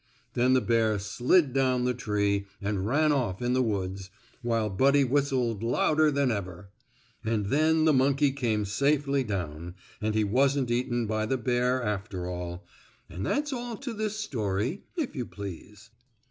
Then the bear slid down the tree and ran off in the woods, while Buddy whistled louder than ever. And then the monkey came safely down, and he wasn't eaten by the bear, after all, and that's all to this story, if you please.